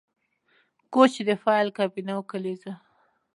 کوچ د فایل کابینه او کلیزه